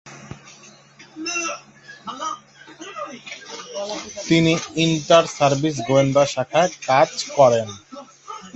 তিনি inter service গোয়েন্দা শাখায় কাজ করেন।